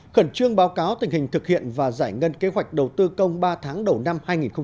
khẩn trương báo cáo tình hình thực hiện và giải ngân kế hoạch đầu tư công ba tháng đầu năm hai nghìn hai mươi